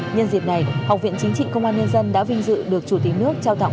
nhân dịp này học viện chính trị công an nhân dân đã vinh dự được chủ tịch nước trao tặng